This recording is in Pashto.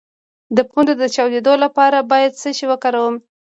د پوندو د چاودیدو لپاره باید څه شی وکاروم؟